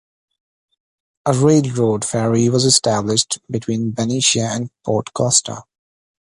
A railroad ferry was established between Benicia and Port Costa.